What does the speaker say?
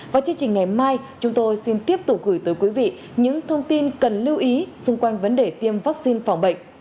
và chương trình ngày mai chúng tôi xin tiếp tục gửi tới quý vị những thông tin cần lưu ý xung quanh vấn đề tiêm vaccine phòng bệnh